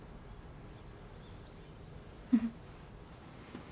うん。